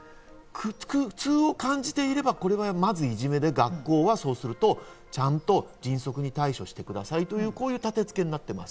苦痛を感じていれば、まずいじめで学校はそうすると迅速に対処してくださいというたて付けになっています。